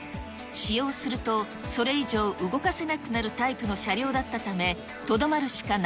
使用すると、それ以上動かせなくなるタイプの車両だったため、とどまるしかな